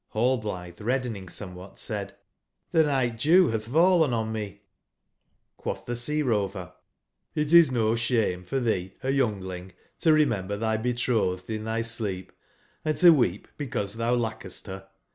j(^r)allblitbc, reddeningsomevvbat,6aid:^benigbt dew batb fallen on me^'j^Quotb tbe sea/rover: *'Xt is no sbame for tbee a youngling to remember tby betrotbed in tby sleep, and to weep because tbou laches t ber.